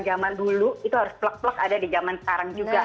zaman dulu itu harus plek plek ada di zaman sekarang juga